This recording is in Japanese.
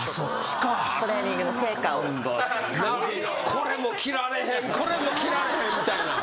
「これも着られへんこれも着られへん」みたいな。